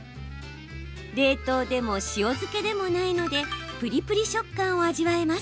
冷凍でも塩漬けでもないのでプリプリ食感を味わえます。